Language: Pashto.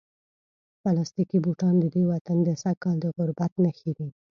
پلاستیکي بوټان د دې وطن د سږکال د غربت نښې دي.